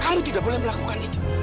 kalau tidak boleh melakukan itu